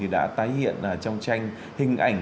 đã tái hiện trong tranh hình ảnh